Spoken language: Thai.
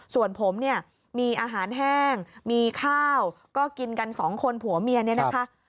ส่วนผมเนี่ยมีอาหารแห้งมีข้าวก็กินกันสองคนผัวเมียเนี่ยนะคะ